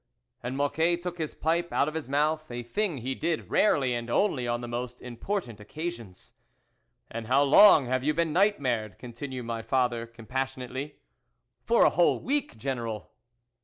And Mocquet took his pipe out of his mouth, a thing he did rarely, and only on the most important occasions. " And how long have you been night mared ?" continued my father compas sionately. " For a whole week, General."